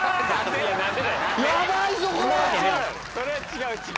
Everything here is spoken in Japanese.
それは違う違う。